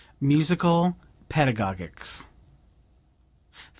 MUSICAL PEDAGOGICS 50.